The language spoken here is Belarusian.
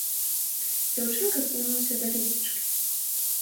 Дзяўчынка кінулася да лесвічкі.